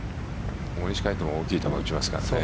大西魁斗も大きい球を打ちますからね。